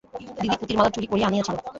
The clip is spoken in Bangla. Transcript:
দিদি পুতির মালা চুরি করিয়া আনিয়াছিল।